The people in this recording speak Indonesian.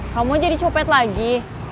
kamu jadi copet lagi